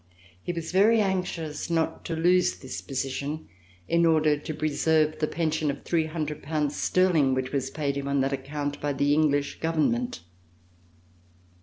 He was very anxious not to lose this position, in order to preserve the pension of 300 pounds sterling which was paid him on that account by the English government.